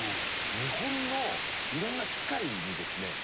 日本のいろんな機械にですね